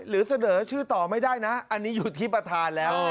หรือเสนอชื่อต่อไม่ได้นะอันนี้อยู่ที่ประธานแล้ว